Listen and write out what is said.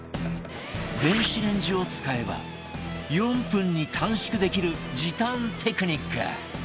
電子レンジを使えば４分に短縮できる時短テクニック！